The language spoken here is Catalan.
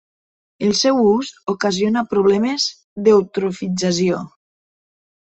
El seu ús ocasiona problemes d'eutrofització.